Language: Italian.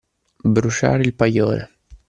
Bruciare il paglione.